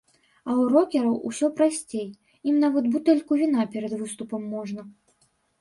А ў рокераў усё прасцей, ім нават бутэльку віна перад выступам можна.